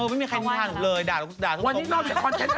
ก็เรียกว่าเผากรุงเตก